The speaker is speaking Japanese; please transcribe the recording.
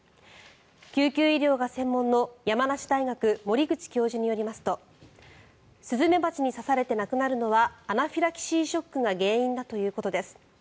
救急医療が専門の山梨大学森口教授によりますとスズメバチに刺されて亡くなるのはアナフィラキシーショックが原因だということです。